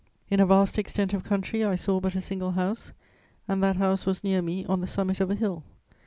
In a vast extent of country, I saw but a single house, and that house was near me, on the summit of a hill.